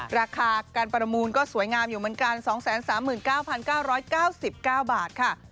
ราคาการประมูลก็สวยงามอยู่เหมือนกัน๒๓๙๙๙๙บาทค่ะ